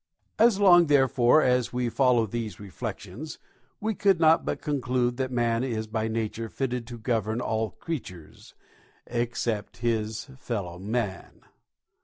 As long, therefore, as we followed these reflexions, we could not but conclude that man is by nature fitted to govern all creatures, except his fellow man.